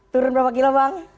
turun berapa kilo bang